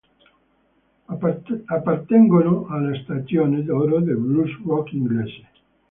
Appartengono alla stagione d'oro del blues-rock inglese.